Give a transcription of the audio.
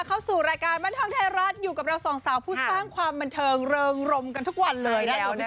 เข้าสู่รายการบันเทิงไทยรัฐอยู่กับเราสองสาวผู้สร้างความบันเทิงเริงรมกันทุกวันเลยนะครับ